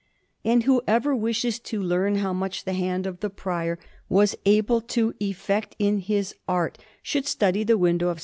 And whoever wishes to learn how much the hand of the Prior was able to effect in this art, should study the window of S.